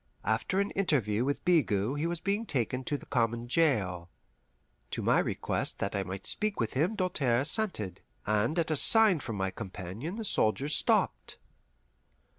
After an interview with Bigot he was being taken to the common jail. To my request that I might speak with him Doltaire assented, and at a sign from my companion the soldiers stopped.